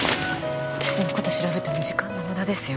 私のこと調べても時間の無駄ですよ